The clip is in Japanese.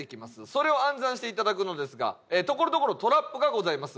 それを暗算していただくのですがところどころトラップがございます。